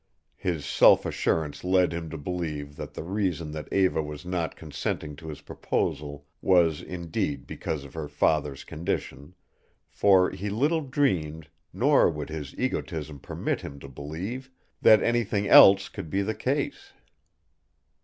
His self assurance led him to believe that the reason that Eva was not consenting to his proposal was indeed because of her father's condition, for he little dreamed, nor would his egotism permit him to believe, that anything else could be the case.